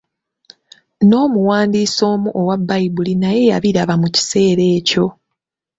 N'omuwandiisi omu owa Bbayibuli naye yabiraba mu kiseera ekyo.